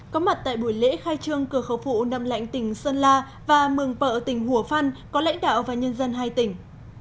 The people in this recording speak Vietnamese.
có mặt tại buổi lễ khai trương cửa khẩu phụ nầm lạnh tỉnh sơn la và mường bợ tỉnh hùa phan có lãnh đạo và nhân dân hai tỉnh